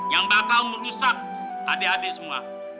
yang bakal merusak adik adik semua